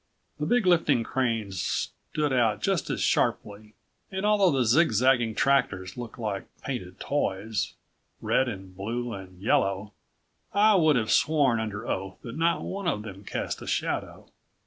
The big lifting cranes stood out just as sharply, and although the zigzagging tractors looked like painted toys, red and blue and yellow, I would have sworn under oath that not one of them cast a shadow.